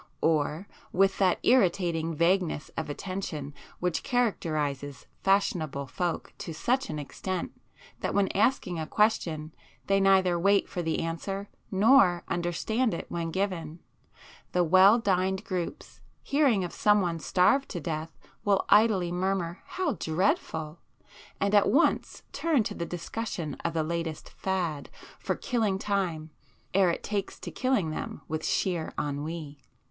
Or, with that irritating vagueness of attention which characterizes fashionable folk to such an extent that when asking a question they neither wait for the answer nor understand it when given, the well dined groups, hearing of some one starved to death, will idly murmur 'How dreadful!' and at once turn to the discussion of the latest 'fad' for killing time, ere it takes to killing them with sheer ennui.